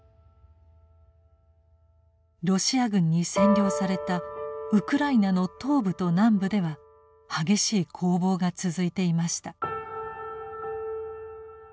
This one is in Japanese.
ロシア軍に占領されたウクライナの東部と南部では激しい攻防が続いていました。